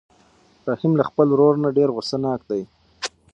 رحیم له خپل ورور نه ډېر غوسه ناک دی.